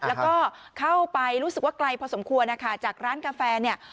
แล้วก็เข้าไปรู้สึกว่าไกลพอสมควรนะคะจากร้านกาแฟเนี่ย